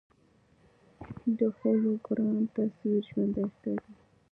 د هولوګرام تصویر ژوندی ښکاري.